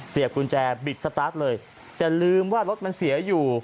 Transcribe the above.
กุญแจบิดสตาร์ทเลยแต่ลืมว่ารถมันเสียอยู่